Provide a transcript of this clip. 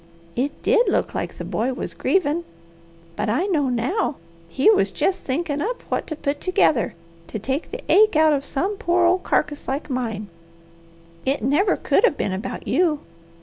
It did look like the boy was grievin'; but I know now he was jest thinkin' up what to put together to take the ache out of some poor old carcass like mine. It never could have been about you.